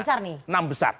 ini enam besar nih